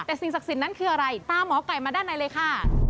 แต่สิ่งศักดิ์สิทธิ์นั้นคืออะไรตามหมอไก่มาด้านในเลยค่ะ